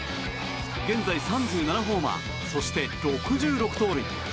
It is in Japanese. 現在、３７ホーマーそして、６６盗塁。